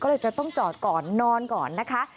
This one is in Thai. ก็เลยจะต้องจอดก่อนนอนก่อนนะคะ